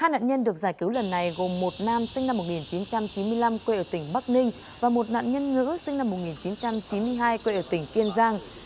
hai nạn nhân được giải cứu lần này gồm một nam sinh năm một nghìn chín trăm chín mươi năm quê ở tỉnh bắc ninh và một nạn nhân ngữ sinh năm một nghìn chín trăm chín mươi hai quê ở tỉnh kiên giang